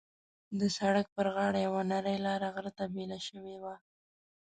د سړک پر غاړه یوه نرۍ لاره غره ته بېله شوې وه.